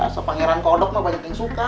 ya sepangeran kodok mah banyak yang suka